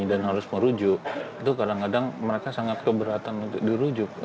dan harus merujuk itu kadang kadang mereka sangat keberatan untuk dirujuk